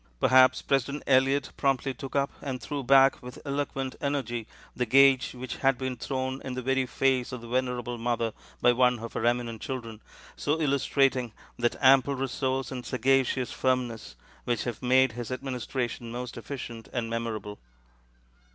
Perhaps President Eliot promptly took up and threw back with eloquent energy the gage which had been thrown in the very face of the venerable mother by one of her eminent children, so illustrating that ample resource and sagacious firmness which have made his administration most efficient and memorable.